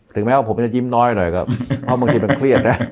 ถึงแม้ว่าผมจะยิ้มน้อยก็เครียด